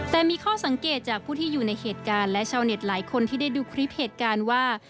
แต่มีข้อสังเกตจากผู้ที่อยู่ในเหตุการณ์และชาวเน็ตหลายคนที่ได้ดูคลิปเหตุการณ์ว่า